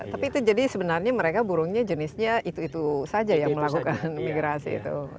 tapi itu jadi sebenarnya mereka burungnya jenisnya itu itu saja yang melakukan migrasi itu